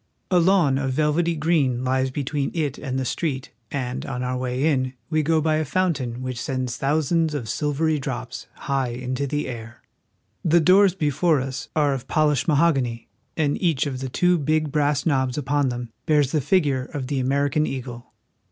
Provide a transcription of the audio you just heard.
A lawn of velvety green Hes between it and the street, and on our way in we go by a fountain which sends thou sands of silvery drops high into the air. The doors before us are of polished mahogany, and each of the two big brass knobs upon them bears the figure of the American eagle.